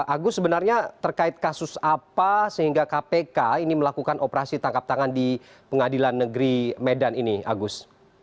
agus sebenarnya terkait kasus apa sehingga kpk ini melakukan operasi tangkap tangan di pengadilan negeri medan ini agus